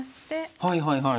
はいはいはい。